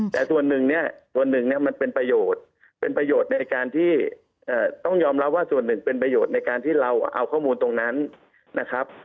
แต่ส่วนหนึ่งนี้มันเป็นประโยชน์ต้องยอมรับว่าส่วนหนึ่งเป็นประโยชน์ในการที่เราเอาข้อมูลตรงนั้นนะครับ